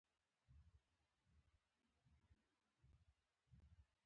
دغه خوږ ژبی او نومیالی شاعر په کال کې وفات شو.